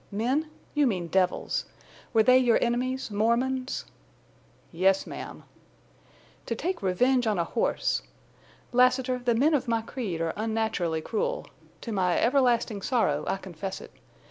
Men? You mean devils.... Were they your enemies—Mormons?" "Yes, ma'am." "To take revenge on a horse! Lassiter, the men of my creed are unnaturally cruel. To my everlasting sorrow I confess it.